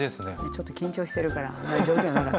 ちょっと緊張してるからあんまり上手じゃなかった。